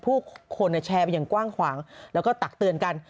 ผู้คนแชร์ไปอย่างกว้างขวางแล้วก็ตักเตือนกัน